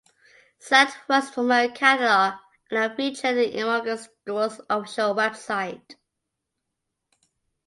Select works from her catalogue are now featured in Imogen Stuart's official website.